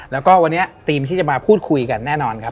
แล้วก็วันนี้ทีมที่จะมาพูดคุยกันแน่นอนครับ